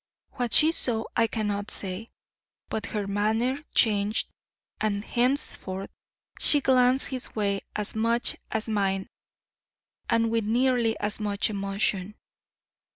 What she saw I cannot say, but her manner changed and henceforth she glanced his way as much as mine and with nearly as much emotion.